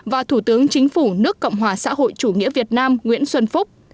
và thủ tướng chính phủ nước cộng hòa xã hội chủ nghĩa việt nam nguyễn xuân phúc